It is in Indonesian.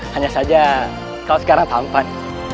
hanya saja kalau sekarang tampan